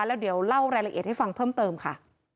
แล้วเดี๋ยวเล่ารายละเอียดให้ฟังเพิ่มเติมค่ะ